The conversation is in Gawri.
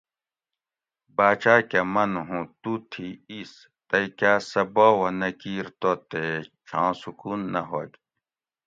باۤچۤا کہ من ھوں تو تھی ایس تئ کاس سہ باوہ نہ کیِر تو تے چھاں سکون نہ ہوگ